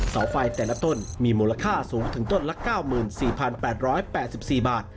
เสาไฟแต่ละต้นมีมูลค่าสูงถึงต้นละ๙๔๘๘๔บาท